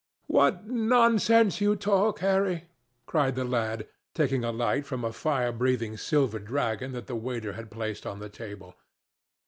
"What nonsense you talk, Harry!" cried the lad, taking a light from a fire breathing silver dragon that the waiter had placed on the table.